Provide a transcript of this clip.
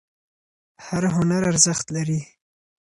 هر هنر ارزښت لري.